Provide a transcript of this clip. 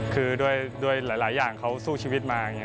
คือด้วยหลายอย่างเขาสู้ชีวิตมา